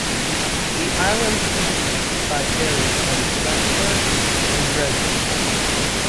The island can be reached by ferry from Svendborg and Drejø.